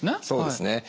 そうですね。